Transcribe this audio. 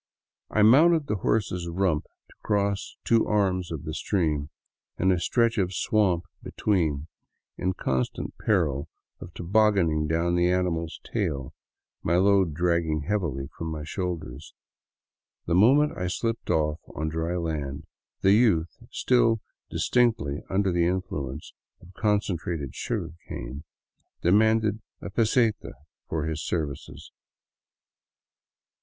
I mounted the horse's rump to cross two arms of the stream and a stretch of swamp between, in constant peril of tobogganing down the animal's tail, my load dragging heavily from my shoulders. The moment I slipped off on dry land, the youth, still distinctly under the influence of concentrated sugar cane, demanded a "peseta" for his services.